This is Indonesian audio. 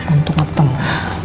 untung gak bertemu